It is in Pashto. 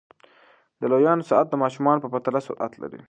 د لویانو ساعت د ماشومانو په پرتله سرعت لري.